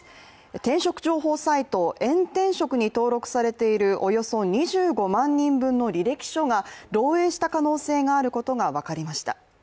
転職情報サイトエン転職に登録されているおよそ２５万人分の履歴書が漏えいした可能性があることが分かりました。